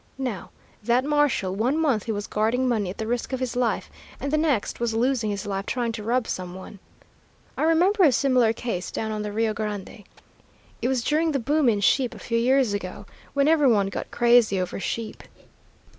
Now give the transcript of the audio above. Now, that marshal one month he was guarding money at the risk of his life, and the next was losing his life trying to rob some one. I remember a similar case down on the Rio Grande. It was during the boom in sheep a few years ago, when every one got crazy over sheep.